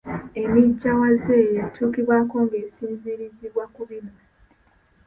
Emminjawaza eyo etuukibwako ng’esinziirizibwa ku bino.